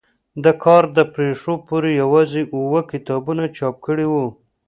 د کار تر پرېښودو پورې یوازې اووه کتابونه چاپ کړي وو.